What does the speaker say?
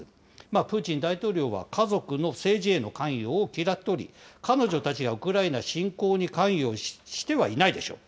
プーチン大統領は家族の政治への関与を嫌っており、彼女たちがウクライナ侵攻に関与してはいないでしょう。